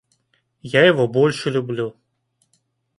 Я его больше люблю.